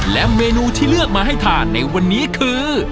และเมนูที่เลือกมาให้ทานในวันนี้คือ